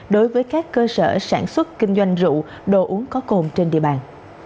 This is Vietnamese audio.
đối với các cơ sở sản xuất kinh doanh rượu đồ uống có cồn trên địa bàn